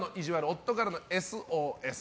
夫からのＳＯＳ。